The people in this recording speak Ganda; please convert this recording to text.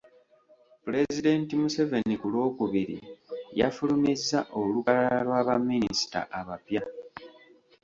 Pulezidenti Museveni ku Lwokubiri yafulumizza olukalala lwa baminisita abapya.